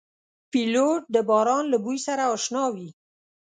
پیلوټ د باران له بوی سره اشنا وي.